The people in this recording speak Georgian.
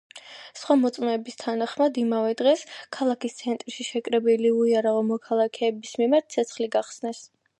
სხვა მოწმეების თანახმად, იმავე დღეს, ქალაქის ცენტრში შეკრებილი უიარაღო მოქალაქეების მიმართ ცეცხლი გახსნეს.